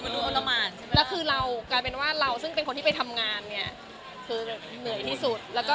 แล้วขึ้นเรากาลเขียนว่าเราซึ่งเป็นคนที่ไปทำงานเนี่ยคือเหนื่อยที่สุดแล้วก็